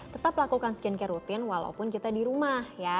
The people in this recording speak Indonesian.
tetap lakukan skincare rutin walaupun kita di rumah ya